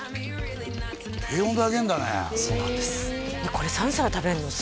これ３皿食べるの？